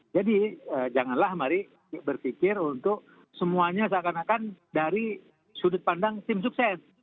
jadi janganlah mari berpikir untuk semuanya seakan akan dari sudut pandang tim sukses